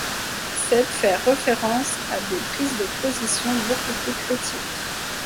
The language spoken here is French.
Cette fait référence à des prises de positions beaucoup plus critiques.